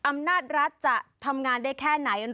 อำนาจรัฐจะทำงานได้แค่ไหน